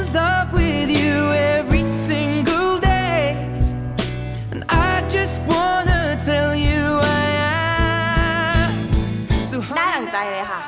ได้หลังใจเลยค่ะ